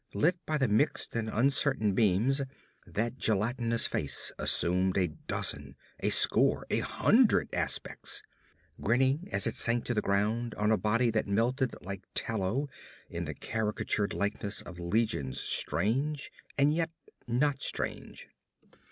Lit by the mixed and uncertain beams, that gelatinous face assumed a dozen a score a hundred aspects; grinning, as it sank to the ground on a body that melted like tallow, in the caricatured likeness of legions strange and yet not strange.